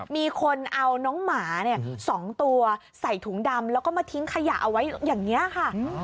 มีคนเอาน้องหมา๒ตัวใส่ถุงดำแล้วก็มาทิ้งขยะเอาไว้อย่างนี้ค่ะ